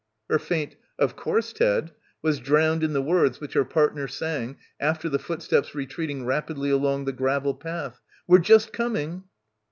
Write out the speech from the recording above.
Her faint "of course, Ted," was drowned in the words which her partner sang after the footsteps retreating rapidly along the gravel path: "We're just coming!"